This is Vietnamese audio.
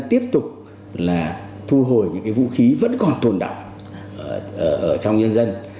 tiếp tục thu hồi những vũ khí vẫn còn tồn động trong nhân dân